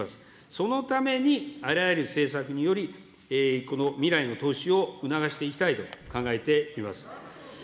そのためにあらゆる政策により、この未来の投資を促していきたいと考えております。